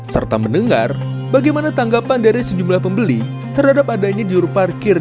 serta mendengar bagaimana tanggapan dari sejumlah pembeli terhadap adanya juru parkir